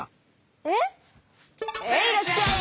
えっ⁉へいらっしゃい！